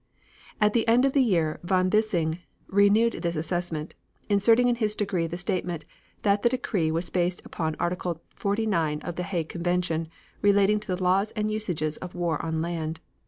At the end of a year von Bissing renewed this assessment, inserting in his decree the statement that the decree was based upon article forty nine of The Hague Convention, relating to the laws and usages of war on land.